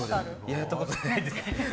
やったことないです。